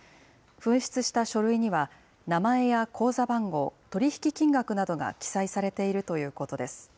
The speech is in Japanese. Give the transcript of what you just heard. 紛失した書類には、名前や口座番号、取り引き金額などが記載されているということです。